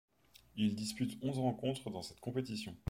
Il dispute onze rencontres dans cette compétition.